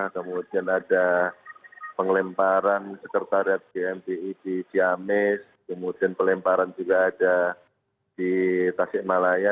kemudian ada penglemparan sekretariat gmti di siames kemudian pelemparan juga ada di tasik malaya